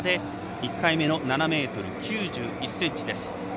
１回目の７ｍ９１ｃｍ。